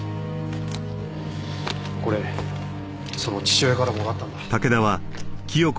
これその父親からもらったんだ。